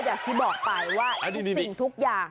อย่างที่บอกไปว่าทุกสิ่งทุกอย่าง